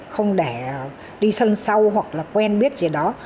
không để đi sân sâu hoặc là quen biết gì đó